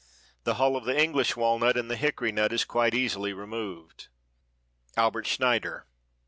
The hull of the English walnut and the hickory nut is quite easily removed. Albert Schneider.